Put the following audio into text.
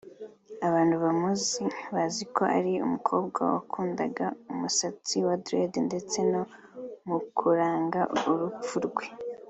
Abantu bamuzi bazi ko ari umukobwa wakundaga umusatsi wa dread ndetse no mu kuranga urupfu rwe